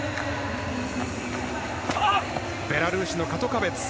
ベラルーシのカトカベツ。